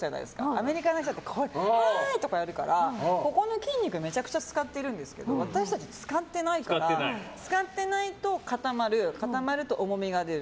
アメリカの人はハーイ！とかやるからここの筋肉をめちゃくちゃ使ってるんですけど私たちは使ってないから使ってないと固まる固まると重みが出る。